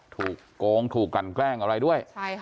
ถูกโกงถูกกลั่นแกล้งอะไรด้วย